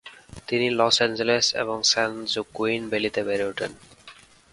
তিনি Los Angeles এবং San Joaquin ভ্যালিতে বেড়ে ওঠেন।